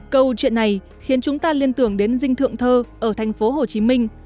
câu chuyện này khiến chúng ta liên tưởng đến dinh thượng thơ ở thành phố hồ chí minh